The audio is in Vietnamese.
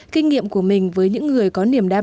kinh nghiệm của mình với những người có niềm đáng